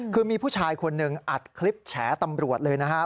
คือมีผู้ชายคนหนึ่งอัดคลิปแฉตำรวจเลยนะครับ